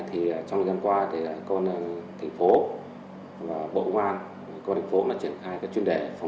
trong gian qua còn thành phố